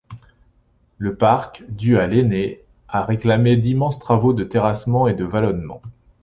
Le parc, dû à Laîné, a réclamé d’immenses travaux de terrassement et de vallonnement.